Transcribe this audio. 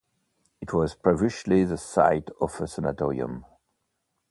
It was previously the site of a sanatorium.